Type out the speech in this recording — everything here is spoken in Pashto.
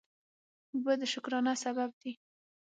اوبه د شکرانه سبب دي.